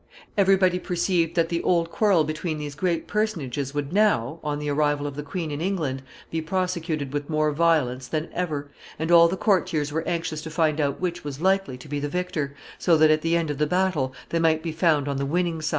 Every body perceived that the old quarrel between these great personages would now, on the arrival of the queen in England, be prosecuted with more violence than ever, and all the courtiers were anxious to find out which was likely to be the victor, so that, at the end of the battle, they might be found on the winning side.